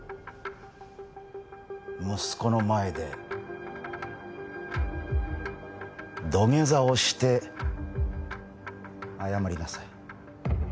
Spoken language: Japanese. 息子の前で土下座をして謝りなさい。